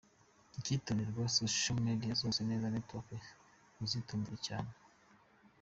Ikitonderwa : za social media zose naza network zose muzitondere cyane.